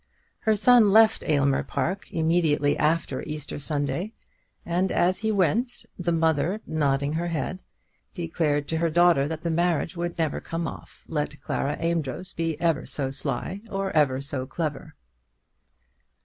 Her son left Aylmer Park immediately after Easter Sunday, and as he went, the mother, nodding her head, declared to her daughter that that marriage would never come off, let Clara Amedroz be ever so sly, or ever so clever.